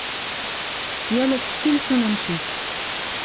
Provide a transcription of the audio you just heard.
Yal asekkil s unamek-is.